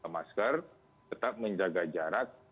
masker tetap menjaga jarak